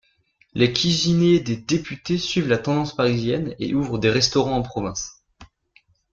Les cuisiniers des députés suivent la tendance parisienne et ouvrent des restaurants en province.